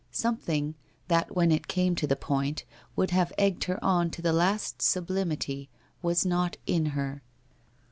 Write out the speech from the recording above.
Something, that when it came to the point, would have egged her on to the last sublimity, was not in her.